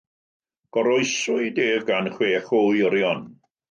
Goroeswyd ef gan chwech o wyrion.